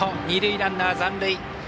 二塁ランナー残塁。